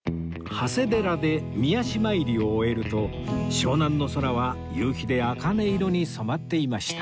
長谷寺で御足参りを終えると湘南の空は夕日で茜色に染まっていました